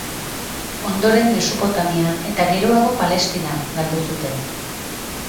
Ondoren Mesopotamia eta geroago Palestina galdu zuten.